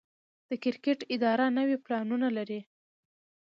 د کرکټ اداره نوي پلانونه لري.